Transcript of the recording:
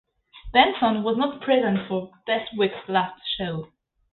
Benson was not present for Bestwick's last show.